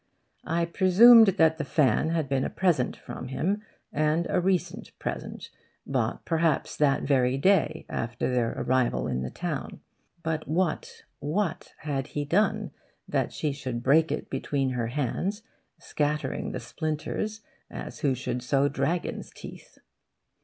I presumed that the fan had been a present from him, and a recent present bought perhaps that very day, after their arrival in the town. But what, what had he done that she should break it between her hands, scattering the splinters as who should sow dragon's teeth?